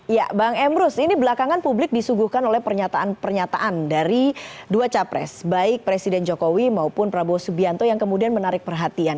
ya bang emrus ini belakangan publik disuguhkan oleh pernyataan pernyataan dari dua capres baik presiden jokowi maupun prabowo subianto yang kemudian menarik perhatian